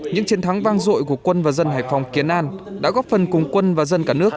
những chiến thắng vang dội của quân và dân hải phòng kiến an đã góp phần cùng quân và dân cả nước